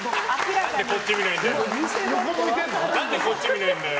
何でこっち見ないんだよ。